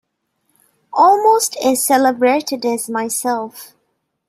Almost as celebrated as myself!